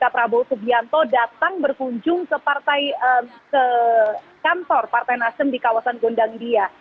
prabowo subianto datang berkunjung ke kantor partai nasdem di kawasan gondang dia